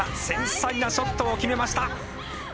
繊細なショットを決めました。